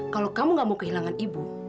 kalau kamu gak mau kehilangan ibu